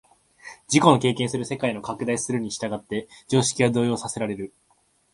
自己の経験する世界の拡大するに従って常識は動揺させられる。